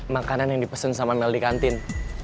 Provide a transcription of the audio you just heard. makanan yang dipesen sama mel di kantin